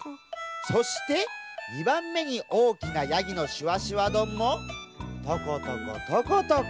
そして２ばんめにおおきなヤギのしわしわどんもトコトコトコトコ。